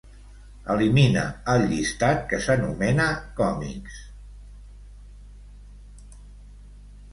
Elimina el llistat que s'anomena "còmics".